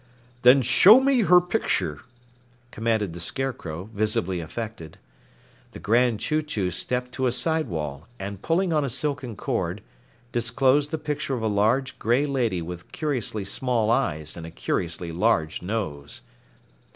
"Then show me her picture," commanded the Scarecrow, visibly affected. The Grand Chew Chew stepped to a side wall, and pulling on a silken cord, disclosed the picture of a large, gray lady with curiously small eyes and a curiously large nose.